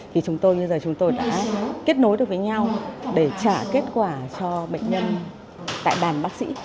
thì chúng tôi bây giờ chúng tôi đã kết nối được với nhau để trả kết quả cho bệnh nhân tại bàn bác sĩ